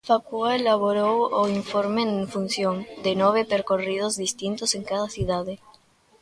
Facua elaborou o informe en función "de nove percorridos distintos en cada cidade".